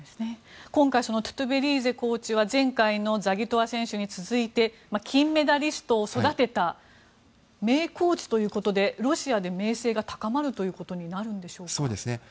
今回そのトゥトベリーゼコーチは前回のザギトワ選手に続いて金メダリストを育てた名コーチということでロシアで名声が高まるということになるんでしょうか？